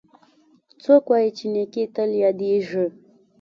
څوک وایي چې نیکۍ تل یادیږي